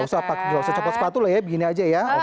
gak usah copot sepatu loh ya begini aja ya